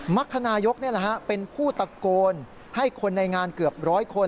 มักขนายกเนี้ยแหละฮะเป็นผู้ตะโกนให้คนในงานเกือบร้อยคน